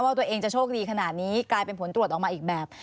ว่าตัวเองจะโชคดีขนาดนี้กลายเป็นผลตรวจออกมาอีกแบบ